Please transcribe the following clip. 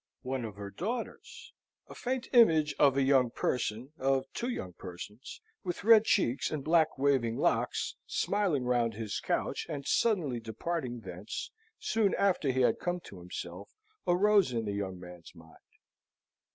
One of her daughters? A faint image of a young person of two young persons with red cheeks and black waving locks, smiling round his couch, and suddenly departing thence, soon after he had come to himself, arose in the young man's mind.